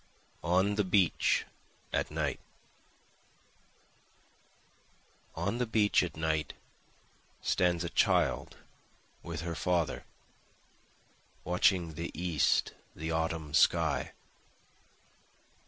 On the Beach at Night On the beach at night, Stands a child with her father, Watching the east, the autumn sky.